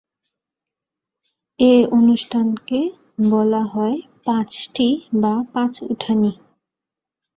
এ অনুষ্ঠানকে বলা হয় ‘পাঁচটি’ বা ‘পাঁচ উঠানি’।